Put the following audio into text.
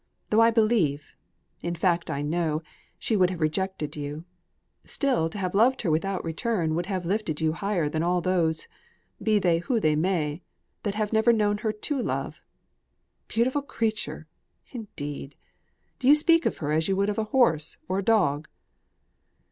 Though I believe in fact I know, she would have rejected you, still to have loved her without return would have lifted you higher than all those, be they who they may, that have ever known her to love. 'Beautiful creature' indeed! Do you speak of her as you would of a horse or a dog?"